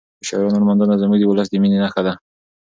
د شاعرانو لمانځنه زموږ د ولس د مینې نښه ده.